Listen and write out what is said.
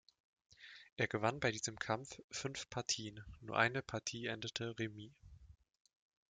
Er gewann bei diesem Kampf fünf Partien, nur eine Partie endete remis.